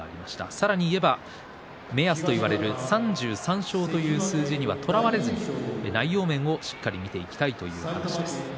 さらに言えば目安といわれる３３勝という数字にはとらわれず内容面をしっかり見ていきたいという話です。